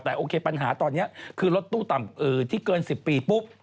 แต่โอเคปัญหาตอนนี้คือรถตู้ต่ำที่เกิน๑๐ปีปุ๊บ